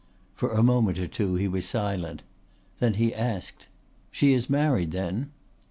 For a moment or two he was silent. Then he asked: "She is married then?"